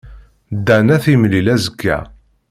Dan ad t-yemlil azekka.